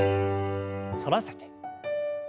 反らせて。